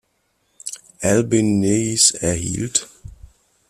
Albin Nees erhielt